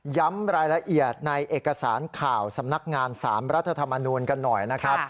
ย้ำรายละเอียดในเอกสารข่าวสำนักงาน๓รัฐธรรมนูลกันหน่อยนะครับ